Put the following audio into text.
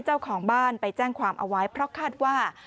เจ้าของบ้านไปแจ้งความเอาไว้เพราะคาดว่า